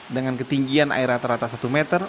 dengan ketinggian air rata rata satu meter